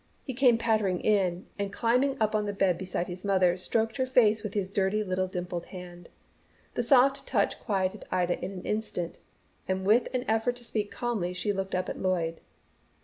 He came pattering in, and climbing up on the bed beside his mother, stroked her face with his dirty little dimpled hand. The soft touch quieted Ida in an instant, and with an effort to speak calmly she looked up at Lloyd.